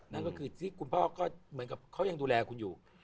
นั่นก็คือที่คุณพ่อก็เหมือนกับเขายังดูแลคุณอยู่